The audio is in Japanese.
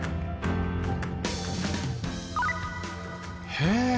へえ